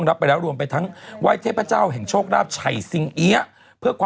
แต่ได้รับอังเบาตลอดเลยนะ